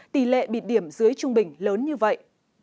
tỷ lệ bịt điểm dưới trung bình lớn như vậy